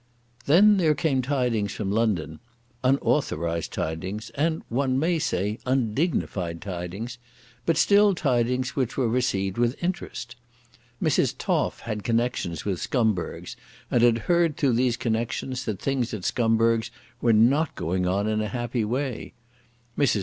Then there came tidings from London, unauthorised tidings, and, one may say, undignified tidings, but still tidings which were received with interest. Mrs. Toff had connections with Scumberg's, and heard through these connections that things at Scumberg's were not going on in a happy way. Mrs.